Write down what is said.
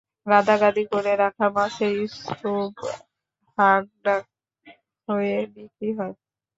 গাদাগাদি করে রাখা মাছের স্তুপ হাঁকডাক হয়ে বিক্রি হয়।